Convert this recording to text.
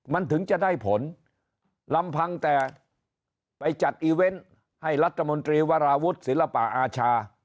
มันถึงจะได้ผลลำพังแต่ไปจัดอีเวนต์ให้รัฐมนตรีวราวุฒิศิลปะอาชา